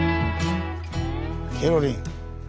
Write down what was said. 「ケロリン」。